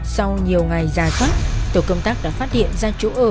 sau nhiều ngày dài thoát tổ công tác đã phát hiện ra chỗ ở